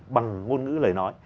bằng ngôn ngữ lời nói